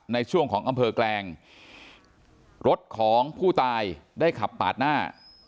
ในช่วงของอำเภอแกลงรถของผู้ตายได้ขับปาดหน้า